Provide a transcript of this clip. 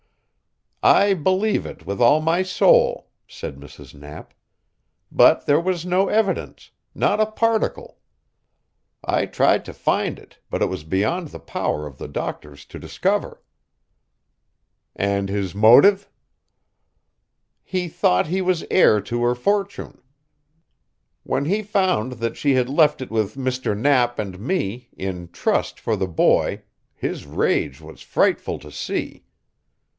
"I believe it with all my soul," said Mrs. Knapp. "But there was no evidence not a particle. I tried to find it, but it was beyond the power of the doctors to discover." "And his motive?" "He thought he was heir to her fortune. When he found that she had left it with Mr. Knapp and me, in trust for the boy, his rage was frightful to see.